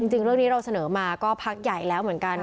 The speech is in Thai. จริงเรื่องนี้เราเสนอมาก็พักใหญ่แล้วเหมือนกัน